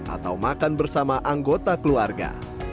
atau makan bersama anggota keluarga